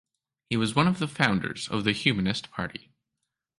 He was one of the founders of the Humanist Party.